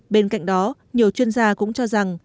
bên cạnh đó nhiều chuyên gia cũng cho rằng